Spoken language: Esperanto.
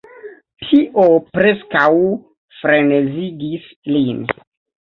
Tio preskaŭ frenezigis lin.